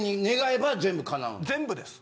全部です。